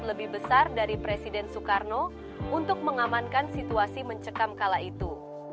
lebih besar dari presiden soekarno untuk mengamankan situasi mencekam kala itu